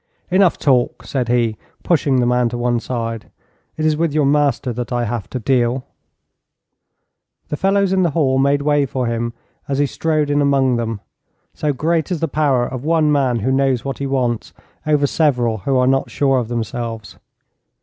'Enough talk,' said he, pushing the man to one side. 'It is with your master that I have to deal.' The fellows in the hall made way for him as he strode in among them, so great is the power of one man who knows what he wants over several who are not sure of themselves.